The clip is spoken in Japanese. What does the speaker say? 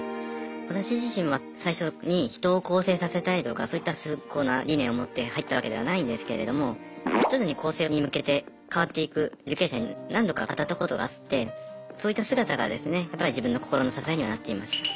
私自身は最初に人を更生させたいとかそういった崇高な理念を持って入ったわけではないんですけれども徐々に更生に向けて変わっていく受刑者に何度か当たったことがあってそういった姿がですねやっぱり自分の心の支えにはなっていました。